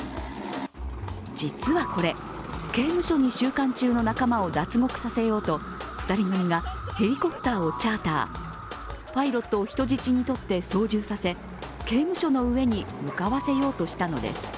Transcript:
実はこれ、刑務所に収監中の仲間を脱獄させようと２人組がヘリコプターをチャーター、パイロットを人質にとって操縦させ、刑務所の上に向かわせようとしたのです。